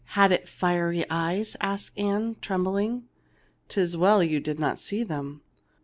'" "Had it fiery eyes ?" asked Ann, trembling. " 'Tis well you did not see them."